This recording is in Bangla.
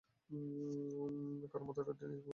কারণ মাথামোটা ডেনিস ওটা বন্ধ করে দিয়েছে।